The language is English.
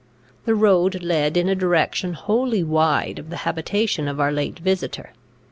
The road led in a direction wholly wide of the habitation of our late visitor.